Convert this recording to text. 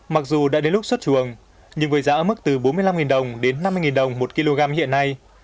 mặc dù đã đến lúc xuất chuồng nhưng với giá ở mức từ bốn mươi năm đồng đến năm mươi đồng một kg hiện nay